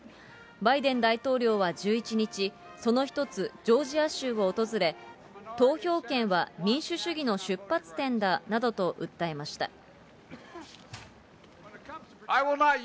バイデン大統領は１１日、その１つ、ジョージア州を訪れ、投票権は民主主義の出発点だなどと訴えました。